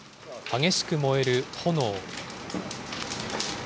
激しく燃える炎。